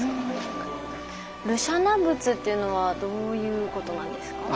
盧舎那仏っていうのはどういうことなんですか？